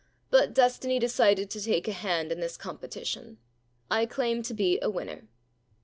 But destiny decided to take a hand in this competition. I claim to be a winner.